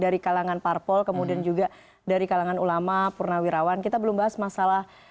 dari kalangan parpol kemudian juga dari kalangan ulama purnawirawan kita belum bahas masalah